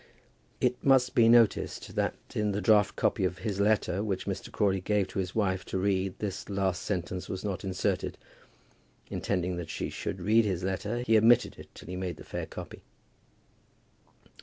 It must be noticed that in the draught copy of his letter which Mr. Crawley gave to his wife to read this last sentence was not inserted. Intending that she should read his letter, he omitted it till he made the fair copy.